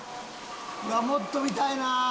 もっと見たいな。